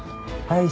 はい！